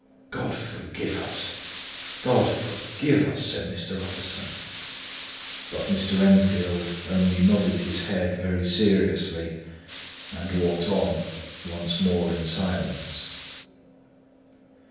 "God forgive us, God forgive us," said Mr. Utterson. But Mr. Enfield only nodded his head very seriously, and walked on once more in silence.